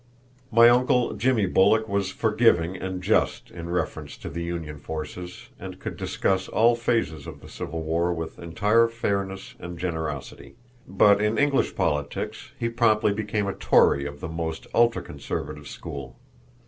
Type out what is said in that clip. My uncle Jimmy Bulloch was forgiving and just in reference to the Union forces, and could discuss all phases of the Civil War with entire fairness and generosity. But in English politics he promptly became a Tory of the most ultra conservative school.